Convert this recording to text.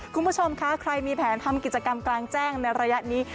คุณผู้ชมคะใครมีแผนทำกิจกรรมกลางแจ้งในระยะนี้